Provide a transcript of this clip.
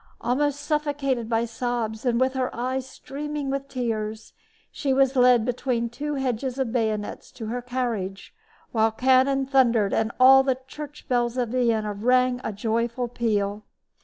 Almost suffocated by sobs and with her eyes streaming with tears, she was led between two hedges of bayonets to her carriage, while cannon thundered and all the church bells of Vienna rang a joyful peal.